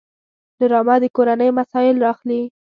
ډرامه د کورنۍ مسایل راخلي